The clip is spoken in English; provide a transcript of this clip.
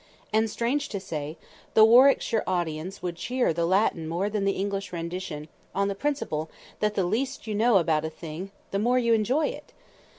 And strange to say, the Warwickshire audience would cheer the Latin more than the English rendition, on the principle that the least you know about a thing the more you enjoy it!